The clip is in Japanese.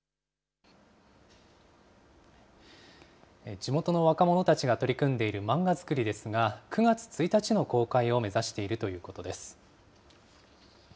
地元の若者たちが取り組んでいる漫画作りですが、９月１日の公開を目指しているということです。